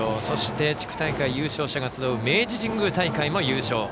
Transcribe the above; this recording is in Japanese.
そして、地区大会優勝者が集う明治神宮大会も優勝。